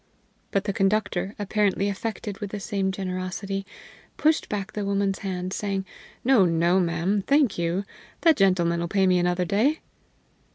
But the conductor, apparently affected with the same generosity, pushed back the woman's hand, saying, "No, no, ma'am, thank you! The gentleman 'll pay me another day."